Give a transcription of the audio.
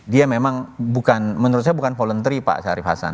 dia memang bukan menurut saya bukan voluntary pak syarif hasan